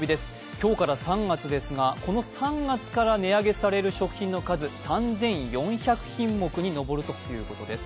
今日から３月ですが、この３月から値上げされる食品の数、３２００品目にのぼるということです。